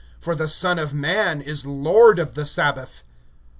(8)For the Son of man is Lord of the sabbath.